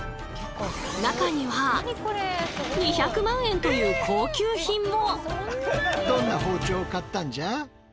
中には２００万円という高級品も！